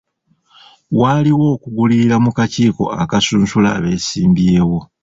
Waaliwo okugulirira mu kakiiko akasunsula abeesimbyewo.